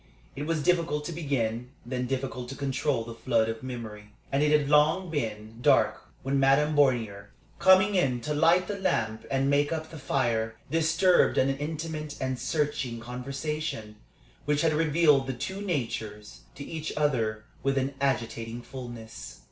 It was difficult to begin, then difficult to control the flood of memory; and it had long been dark when Madame Bornier, coming in to light the lamp and make up the fire, disturbed an intimate and searching conversation, which had revealed the two natures to each other with an agitating fulness.